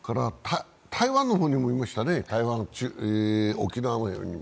台湾の方にもいましたね、沖縄。